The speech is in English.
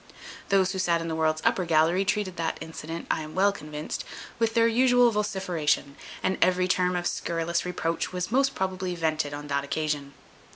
Those who sat in the world's upper gallery treated that incident, I am well convinced, with their usual vociferation; and every term of scurrilous reproach was most probably vented on that occasion.